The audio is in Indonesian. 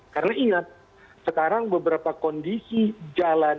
karena ingat sekarang beberapa kondisi jalan